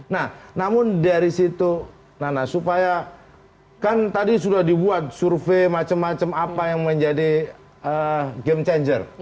nah namun dari situ nana supaya kan tadi sudah dibuat survei macam macam apa yang menjadi game changer